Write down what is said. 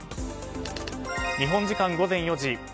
日本時間午前４時。